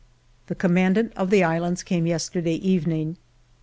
The commandant of the islands came yester day evening.